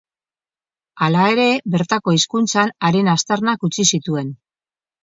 Hala ere, bertako hizkuntzan haren aztarnak utzi zituen.